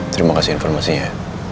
terima kasih informasinya